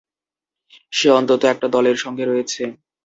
সে অন্তত একটা দলের সঙ্গে রয়েছে।